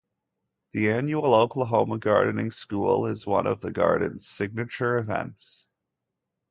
The annual Oklahoma Gardening School is one of the Gardens' signature events.